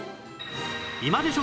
今でしょ！